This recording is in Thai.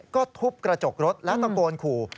ก็ทุบกระจกรถแล้วตะโกนขู่